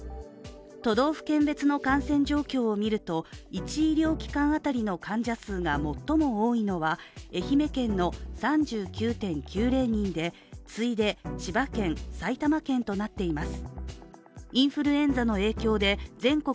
都道府県別の感染状況を見ると１医療機関当たりの患者数が最も多いのは愛媛県の３９．９０人で次いで千葉県、埼玉県となっています。